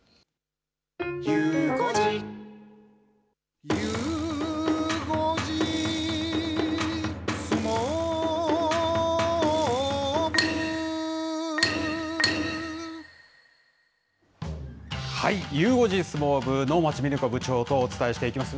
ゆう５時相撲部、能町みね子部長とお伝えしていきます。